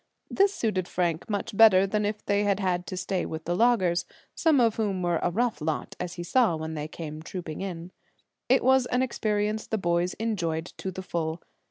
This suited Frank much better than if they had had to stay with the loggers, some of whom were a rough lot, as he saw when they came trooping in. It was an experience the boys enjoyed to the full.